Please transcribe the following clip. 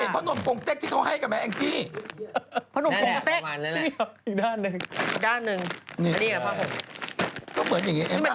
อีกด้านหนึ่งอันนี้กับผ้าผมนี่เป็นผ้าอะไรข้างในเนี่ย